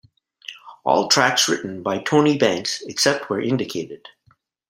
All tracks written by Tony Banks, except where indicated.